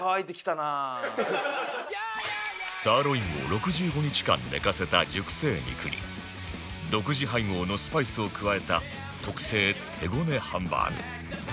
サーロインを６５日間寝かせた熟成肉に独自配合のスパイスを加えた特製手ごねハンバーグ